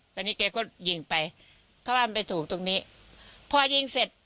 ตอนนี้แกก็ยิงไปเขาว่ามันไปถูกตรงนี้พอยิงเสร็จ